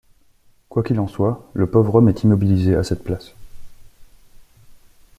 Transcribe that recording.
Quoi qu’il en soit, le pauvre homme est immobilisé à cette place...